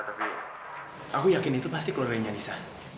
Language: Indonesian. tapi aku yakin itu pasti keluar dari anissa